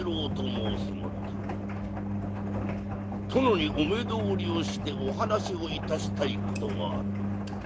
殿にお目通りをしてお話をいたしたいことがある。